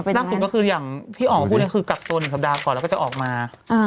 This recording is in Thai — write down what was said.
นักศูนย์ก็คืออย่างที่อ๋อคุณก็คือกลับตัว๑สัปดาห์ก่อนแล้วก็จะออกมา